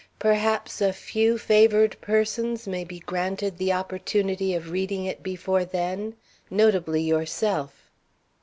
Perhaps a few favored persons may be granted the opportunity of reading it before then, notably yourself.